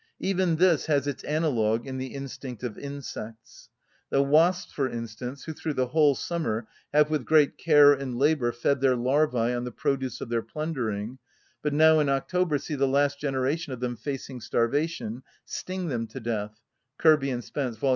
Even this has its analogue in the instinct of insects. The wasps, for instance, who through the whole summer have with great care and labour fed their larvæ on the produce of their plundering, but now, in October, see the last generation of them facing starvation, sting them to death (Kirby and Spence, vol.